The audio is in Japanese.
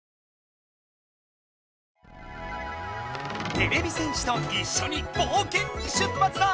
てれび戦士といっしょにぼうけんに出発だ！